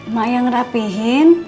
mak yang rapihin